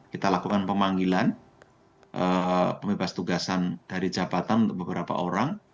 kita lakukan pemanggilan pembebas tugasan dari jabatan untuk beberapa orang